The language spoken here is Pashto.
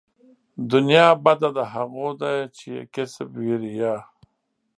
دنيا بده د هغو ده چې يې کسب وي ريا